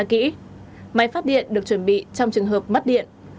kỹ máy phát điện được chuẩn bị trong trường hợp mất điện